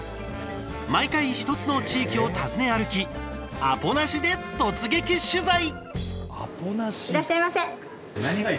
毎回１つの地域を訪ね歩きアポなしで突撃取材。